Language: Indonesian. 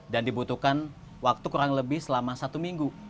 dan dibutuhkan waktu kurang lebih selama satu minggu